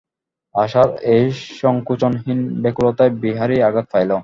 আশার এই সংকোচহীন ব্যাকুলতায় বিহারী আঘাত পাইল।